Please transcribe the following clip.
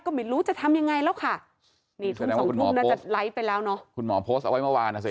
ก็ไม่รู้จะทำยังไงแล้วค่ะนี่ทุ่มสองทุ่มน่าจะไลค์ไปแล้วเนอะคุณหมอโพสต์เอาไว้เมื่อวานนะสิ